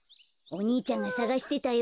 お兄ちゃんがさがしてたよ。